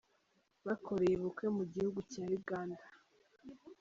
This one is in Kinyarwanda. Bakoreye ubukwe mu gihugu cya Uganda.